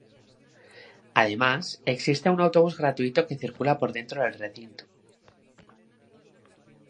Además, existe un autobús gratuito que circula por dentro del recinto.